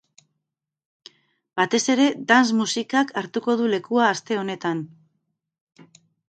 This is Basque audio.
Batez ere, dance musikak hartuko du lekua aste honetan.